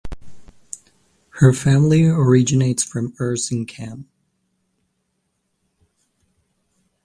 Her family originates from Erzincan.